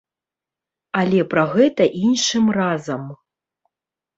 Але пра гэта іншым разам.